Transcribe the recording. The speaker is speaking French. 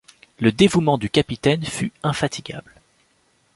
Le dévouement du capitaine fut infatigable.